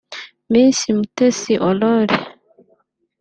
Miss Mutesi Aurore